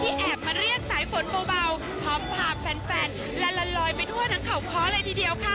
แอบมาเรียกสายฝนเบาพร้อมพาแฟนละละลอยไปทั่วทั้งเขาค้อเลยทีเดียวค่ะ